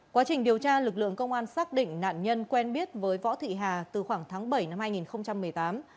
quá trình điều tra lực lượng công an xác định nạn nhân quen biết với võ thị hà từ khoảng tháng bảy năm hai nghìn một mươi tám